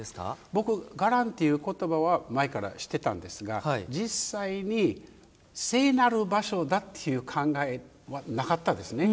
僕、伽藍という言葉は前から知ってたんですが実際に聖なる場所だという考えはなかったですね。